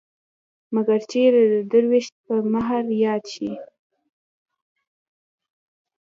مګر چېرې د دروېش په مهر ياد شي.